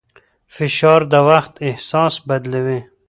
فشار د وخت احساس بدلوي.